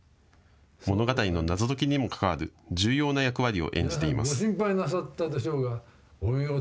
物語の謎解きにも関わる重要な役割を演じています。